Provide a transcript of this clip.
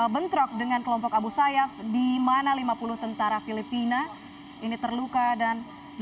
bentrok dengan kelompok abu sayyaf di mana lima puluh tentara filipina ini terluka dan